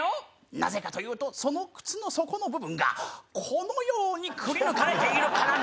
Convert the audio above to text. なぜかというとその靴の底の部分がこのようにくりぬかれているからだ！